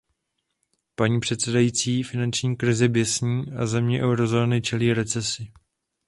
Paní předsedající, finanční krize běsní a země eurozóny čelí recesi.